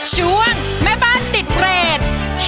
ช่วงแม่บ้านติดเรท